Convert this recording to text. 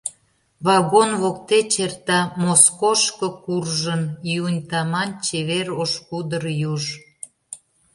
Вагон воктеч эрта, Москошко куржын, Июнь таман чевер ош кудыр юж.